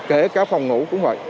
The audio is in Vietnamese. kể cả phòng ngủ cũng vậy